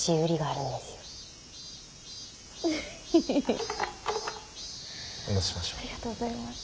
ありがとうございます。